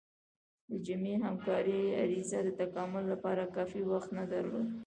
د جمعي همکارۍ غریزه د تکامل لپاره کافي وخت نه درلود.